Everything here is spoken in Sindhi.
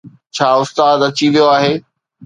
ڇا استاد اچي ويو آهي؟